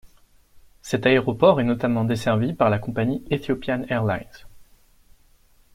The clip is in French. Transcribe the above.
Cet aéroport est notamment desservi par la compagnie Ethiopian Airlines.